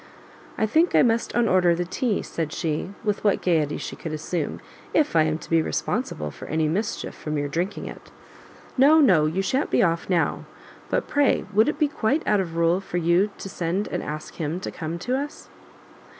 "I think I must unorder the tea," said she, with what gaiety she could assume, "if I am to be responsible for any mischief from your drinking it." "No, no, you shan't be off now; but pray would it be quite out of rule for you to send and ask him to come to us?"